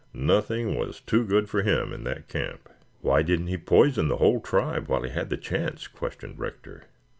Nothing was too good for him in that camp." "Why didn't he poison the whole tribe while he had the chance?" questioned Rector.